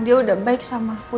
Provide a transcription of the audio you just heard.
dia udah baik sama aku